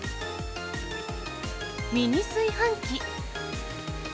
ミニ炊飯器。